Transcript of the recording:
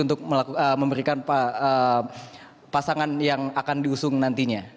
untuk memberikan pasangan yang akan diusung nantinya